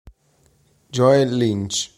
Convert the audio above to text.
Joel Lynch